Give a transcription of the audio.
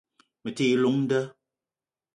Me te yi llong nda